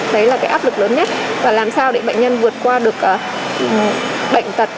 đấy là cái áp lực lớn nhất và làm sao để bệnh nhân vượt qua được bệnh tật